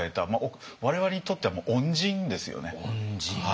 我々にとってはもう恩人ですよね。